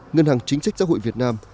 ngân hàng chính sách xã hội việt nam